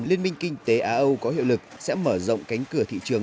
liên minh kinh tế á âu có hiệu lực sẽ mở rộng cánh cửa thị trường